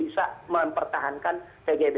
bisa mempertahankan tgb